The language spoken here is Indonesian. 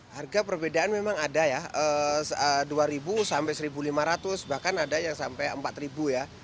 harga perbedaan memang ada ya rp dua sampai rp satu lima ratus bahkan ada yang sampai rp empat ya